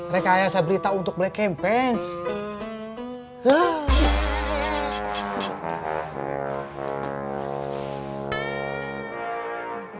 rekayasa berita untuk black campaign